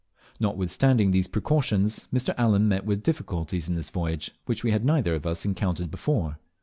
Notwithstanding these precautions, Mr. Allen met with difficulties in this voyage which we had neither of us encountered before.